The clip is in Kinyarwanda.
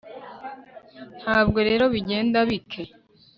Ntabwo rero bigenda bike